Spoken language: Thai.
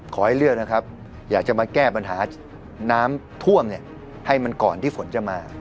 ขอให้เลือกนะครับอยากจะมาแก้ปัญหาน้ำท่วมให้มันก่อนที่ฝนจะมา